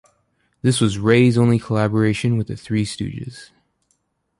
This was Ray's only collaboration with the Three Stooges.